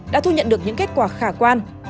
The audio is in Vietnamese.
đã thu nhận được những kết quả khả quan